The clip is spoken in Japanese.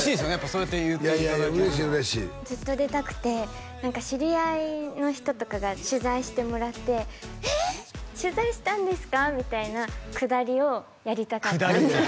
そうやって言っていただけるの嬉しい嬉しいずっと出たくて知り合いの人とかが取材してもらって「ええ！取材したんですか」みたいなくだりをやりたかったんです